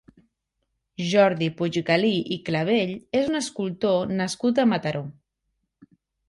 Jordi Puiggalí i Clavell és un escultor nascut a Mataró.